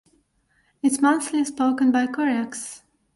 It is mostly spoken by Koryaks.